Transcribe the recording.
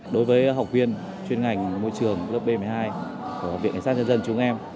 đối với học viên chuyên ngành môi trường lớp b một mươi hai của viện cảnh sát nhân dân chúng em